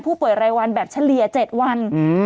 ผู้ป่วยรายวันแบบเฉลี่ย๗วัน